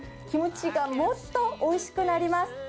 キムチがもっとおいしくなります。